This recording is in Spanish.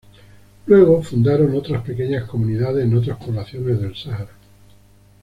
Luego fundaron otras pequeñas comunidades en otras poblaciones del Sahara.